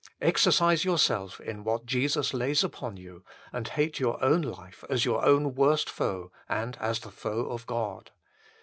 Exercise yourself in what Jesus lays upon you, and hate your own life as your own worst foe and as the foe of God.